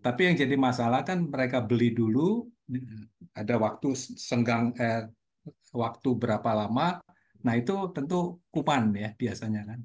tapi yang jadi masalah kan mereka beli dulu ada waktu berapa lama nah itu tentu kuman ya biasanya kan